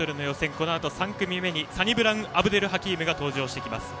このあと３組目にサニブラウン・アブデルハキームが登場してきます。